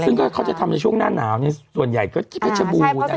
ซึ่งก็เค้าจะทำในช่วงหน้าหนาวเนี่ยส่วนใหญ่ก็กิ๊บให้เฉบูนอะไรอย่างเงี้ย